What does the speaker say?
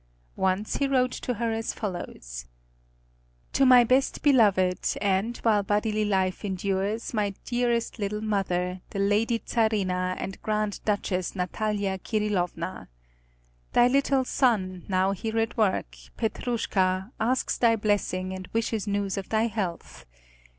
Once he wrote to her as follows: "To my best beloved, and, while bodily life endures, my dearest little mother, the Lady Czarina and Grand Duchess Natalia Kirílovna. Thy little son, now here at work, Petrúshka, asks thy blessing and wishes news of thy health.